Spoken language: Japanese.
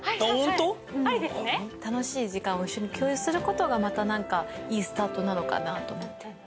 ホント⁉楽しい時間を共有することがまたいいスタートなのかなと思って。